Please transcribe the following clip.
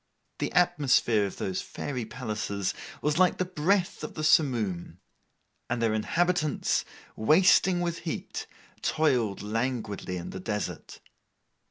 The atmosphere of those Fairy palaces was like the breath of the simoom: and their inhabitants, wasting with heat, toiled languidly in the desert.